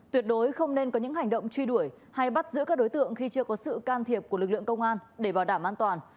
tuyệt đối không nên có những hành động truy đuổi hay bắt giữ các đối tượng khi chưa có sự can thiệp của lực lượng công an để bảo đảm an toàn